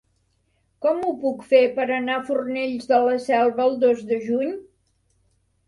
Com ho puc fer per anar a Fornells de la Selva el dos de juny?